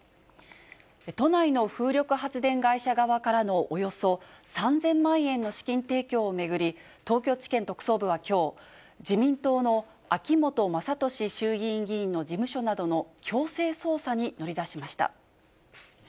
都内の風力発電会社側からのおよそ３０００万円の資金提供を巡り、東京地検特捜部はきょう、自民党の秋本真利衆議院議員の事務所などの強制捜査に乗り出しました。